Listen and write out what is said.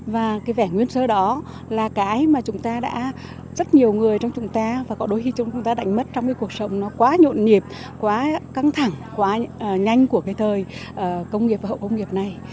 và cái vẻ nguyên sơ đó là cái mà chúng ta đã rất nhiều người trong chúng ta và có đôi khi chúng ta đánh mất trong cái cuộc sống nó quá nhộn nhịp quá căng thẳng quá nhanh của cái thời công nghiệp và hậu công nghiệp này